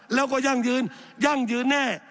แล้วก็ยั่งยืนยั่งยืนแน่